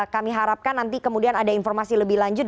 kami harapkan nanti kemudian ada informasi lebih lanjut